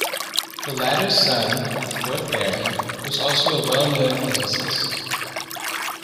The latter's son, the fourth Baron, was also a well-known physicist.